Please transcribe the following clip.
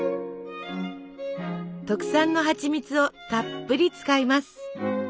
特産のはちみつをたっぷり使います。